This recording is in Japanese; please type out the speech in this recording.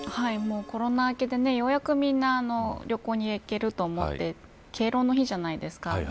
コロナ明けで、ようやくみんな旅行に行けると思って敬老の日じゃないですか。